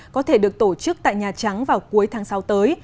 có thể được tổ chức tại nhà trắng vào cuối tháng sáu tới